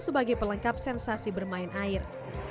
yang melengkap sensasi bermain air